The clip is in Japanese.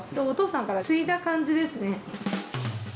お父さんから継いだ感じですね。